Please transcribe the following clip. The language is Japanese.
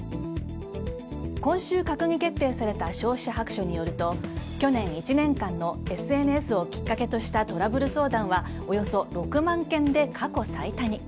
今週、閣議決定された消費者白書によると去年１年間のＳＮＳをきっかけとしたトラブル相談はおよそ６万件で過去最多に。